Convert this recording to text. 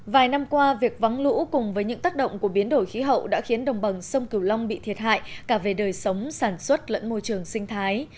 vài năm qua việc vắng lũ cùng với những tác động của biến đổi khí hậu đã khiến đồng bằng sông cửu long bị thiệt hại cả về đời sống sản xuất lẫn môi trường sinh thái